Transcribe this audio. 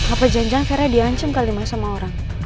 apa janjang fera diancam kali sama orang